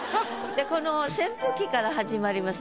この「扇風機」から始まります